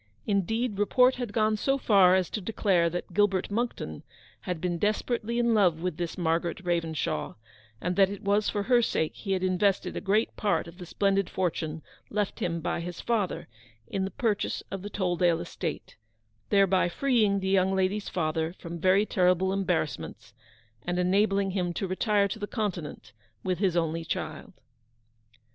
Indeed, report had gone so far as to declare that Gilbert Monckton had been desperately in love with this Margaret Ravenshaw, and that it was for her sake he had invested a great part of the splendid fortune left him by his father in the purchase of the Tolldale estate : thereby freeing the young lady's father from very terrible embarrassments, and enabling him to retire to the Continent with his only child.